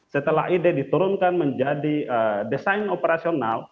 setelah ide diturunkan menjadi desain operasional